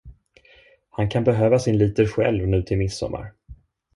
Han kan behöva sin liter själv nu till midsommar.